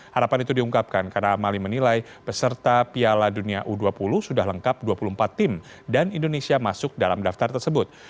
harapan itu diungkapkan karena amali menilai peserta piala dunia u dua puluh sudah lengkap dua puluh empat tim dan indonesia masuk dalam daftar tersebut